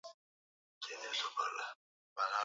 viazi lishe hushambuliwa sana na wadudu